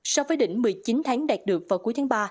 so với đỉnh một mươi chín tháng đạt được vào cuối tháng ba